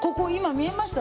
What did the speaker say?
見えました。